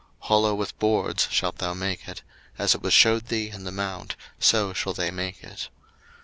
02:027:008 Hollow with boards shalt thou make it: as it was shewed thee in the mount, so shall they make it.